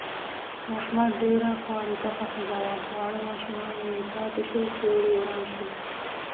د احمد ډېره خواریکښه ښځه وه، واړه ماشومان یې پاتې شول. کوریې وران شو.